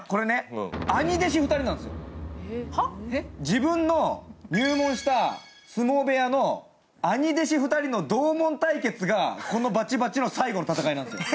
自分の入門した相撲部屋の兄弟子２人の同門対決がこの「バチバチ」の最後の戦いなんですよ。